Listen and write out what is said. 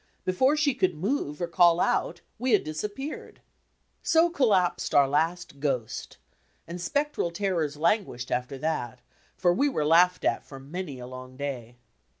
Before she could move or call out we had disap peared. So collapsed our last "ghost," and spectral terrors lan guished after that, for we were laughed at for many a long day.